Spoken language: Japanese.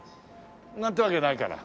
なんてわけないから。